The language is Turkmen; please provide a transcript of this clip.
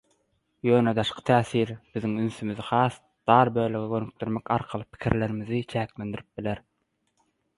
Ýöne daşky täsir, biziň ünsümizi has dar bölege gönükdirmek arkaly pikirimizi çäklendirip biler.